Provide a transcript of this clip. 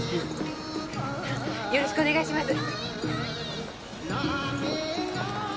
よろしくお願いします。